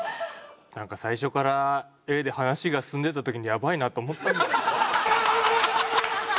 なんか最初からＡで話が進んでた時にやばいなと思ったんだ。